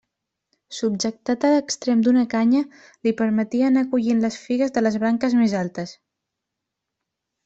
Subjectat a l'extrem d'una canya, li permetia anar collint les figues de les branques més altes.